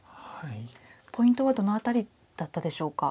ポイントはどの辺りだったでしょうか。